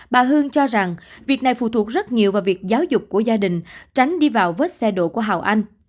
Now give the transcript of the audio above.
bà hương cho rằng việc này phụ thuộc rất nhiều vào việc giáo dục của gia đình tránh đi vào vết xe độ của hào anh